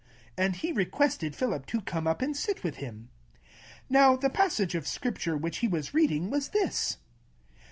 And he desired Philip to get up, and sit with him, 32 Now the place of the scripture which he ^ was read ing was this.